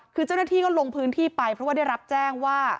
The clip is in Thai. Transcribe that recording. คือเจ้าหน้าที่ก็ลงพื้นที่ไปเพราะว่าได้รับแจ้งว่า